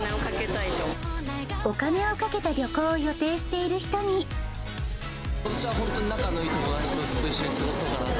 お金をかけた旅行を予定してことしは本当に仲のいい友達と、ずっと一緒に過ごそうかなと。